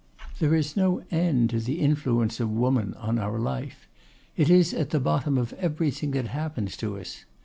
There is no end to the influence of woman on our life. It is at the bottom of everything that happens to us.